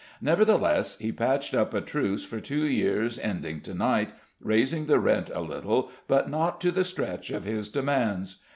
Nevertheless, he patched up a truce for two years ending to night, raising the rent a little, but not to the stretch of his demands.